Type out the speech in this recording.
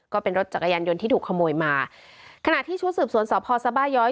ก็เป็นรถจักรยานยนต์ที่ถูกขโมยมาขณะที่ชุดสืบสวนสพสบาย้อย